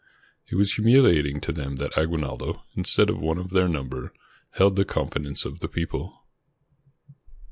It was humiliating to them that Aguinaldo, instead of one of their number, held the confidence of the people.